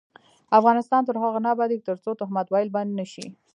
افغانستان تر هغو نه ابادیږي، ترڅو تهمت ویل بند نشي.